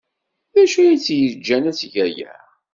D acu ay tt-yejjan ad teg aya?